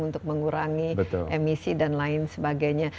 untuk mengurangi emisi dan lain sebagainya